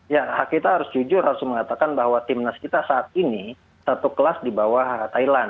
ya kita harus jujur harus mengatakan bahwa timnas kita saat ini satu kelas di bawah thailand